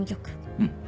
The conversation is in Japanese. うん。